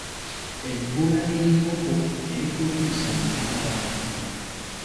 Ebbula ly’enkoko, terikuliisa mpaabaana.